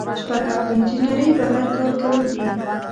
شپږم له انجنیری بهر کار کول دي.